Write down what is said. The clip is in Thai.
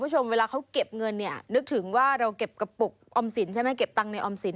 ปลูกออมสินใช่ไหมเก็บตังค์ในออมสิน